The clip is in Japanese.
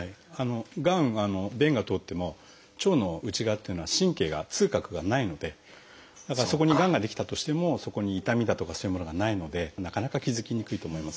がんは便が通っても腸の内側っていうのは神経が痛覚がないのでだからそこにがんが出来たとしてもそこに痛みだとかそういうものがないのでなかなか気付きにくいと思いますね。